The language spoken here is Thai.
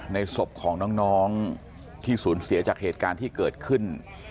ศพของน้องที่สูญเสียจากเหตุการณ์ที่เกิดขึ้น